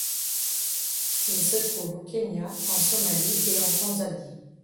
Il se trouve au Kenya, en Somalie et en Tanzanie.